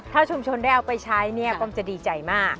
ถ้าชุมชนได้เอาไปใช้เนี่ยป้อมจะดีใจมาก